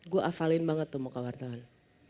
gue hafalin banget tuh muka wartawan